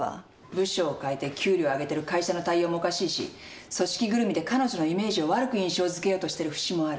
部署を変えて給料上げてる会社の対応もおかしいし組織ぐるみで彼女のイメージを悪く印象づけようとしてるふしもある。